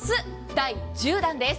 第１０弾です。